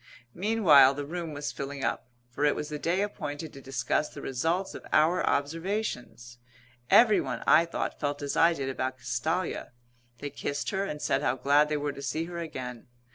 Meanwhile the room was filling up, for it was the day appointed to discuss the results of our observations. Everyone, I thought, felt as I did about Castalia. They kissed her and said how glad they were to see her again.